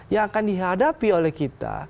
yang akan dihadapi oleh kita